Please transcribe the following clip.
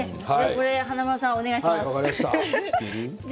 華丸さん、お願いします。